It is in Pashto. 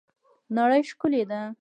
نړۍ ښکلې ده